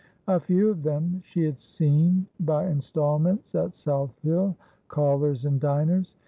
A few of them she had seen by instalments at South Hill — callers and diners.